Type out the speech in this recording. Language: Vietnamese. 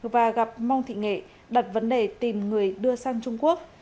và gặp mong thị nghệ đặt vấn đề tìm người đưa sang trung quốc